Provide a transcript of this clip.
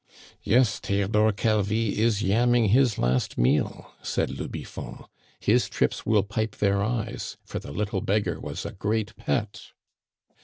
"Yes, Theodore Calvi is yamming his last meal," said le Biffon. "His trips will pipe their eyes, for the little beggar was a great pet."